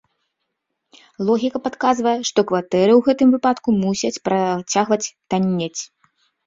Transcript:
Логіка падказвае, што кватэры ў гэтым выпадку мусяць працягваць таннець.